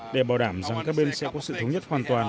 để bảo đảm rằng các bên sẽ có sự thống nhất hoàn toàn